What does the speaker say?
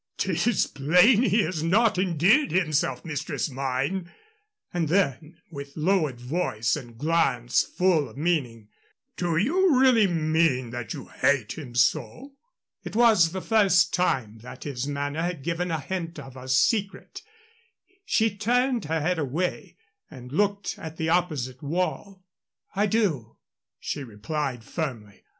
"'Tis plain he has not endeared himself, mistress mine"; and then, with lowered voice and glance full of meaning, "Do you really mean that you hate him so?" It was the first time that his manner had given a hint of a secret. She turned her head away and looked at the opposite wall. "I do," she replied, firmly.